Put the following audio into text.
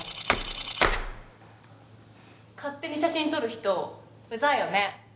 勝手に写真撮る人うざいよね。